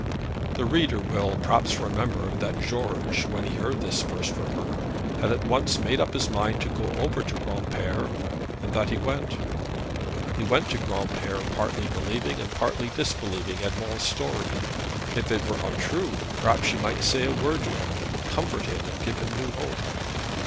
The reader will perhaps remember that George, when he heard this first rumour, had at once made up his mind to go over to Granpere, and that he went. He went to Granpere partly believing, and partly disbelieving Edmond's story. If it were untrue, perhaps she might say a word to him that would comfort him and give him new hope.